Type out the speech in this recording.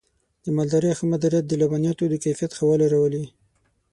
د مالدارۍ ښه مدیریت د لبنیاتو د کیفیت ښه والی راولي.